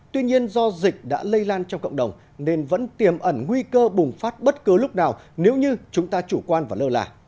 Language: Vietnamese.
tuy nhiên do dịch đã lây lan trong cộng đồng nên vẫn tiềm ẩn nguy cơ bùng phát bất cứ lúc nào nếu như chúng ta chủ quan và lơ là